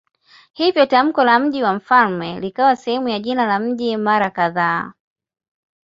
Hivyo tamko la "mji wa mfalme" likawa sehemu ya jina la mji mara kadhaa.